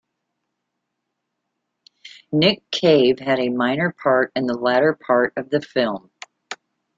Nick Cave had a minor part in the latter part of the film.